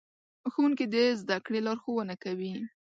ښوونکي د زدهکړې لارښوونه کوي.